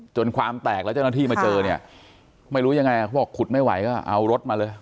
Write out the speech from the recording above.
ความแตกแล้วเจ้าหน้าที่มาเจอเนี่ยไม่รู้ยังไงเขาบอกขุดไม่ไหวก็เอารถมาเลย